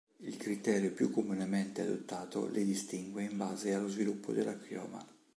Il criterio più comunemente adottato le distingue in base allo sviluppo della chioma.